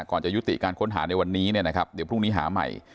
ก่อนจะยุติการค้นหาในวันนี้เนี่ยนะครับเดี๋ยวพรุ่งนี้หาใหม่